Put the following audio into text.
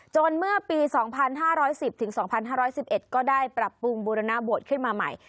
เมื่อปี๒๕๑๐๒๕๑๑ก็ได้ปรับปรุงบูรณบทขึ้นมาใหม่